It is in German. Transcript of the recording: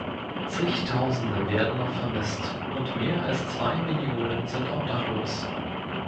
Zig Tausende werden noch vermisst, und mehr als zwei Millionen sind obdachlos.